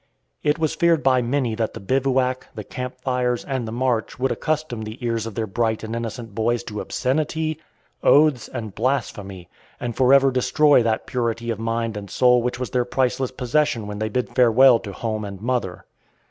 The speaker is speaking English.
It was feared by many that the bivouac, the camp fires, and the march would accustom the ears of their bright and innocent boys to obscenity, oaths, and blasphemy, and forever destroy that purity of mind and soul which was their priceless possession when they bid farewell to home and mother.